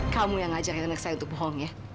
kamu yang ngajakin anak saya untuk bohong ya